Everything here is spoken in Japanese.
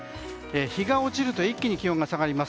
日が落ちると、一気に気温が下がります。